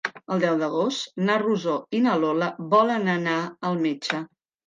El deu d'agost na Rosó i na Lola volen anar al metge.